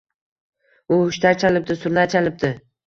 U hushtak chalibdi, surnay chalibdi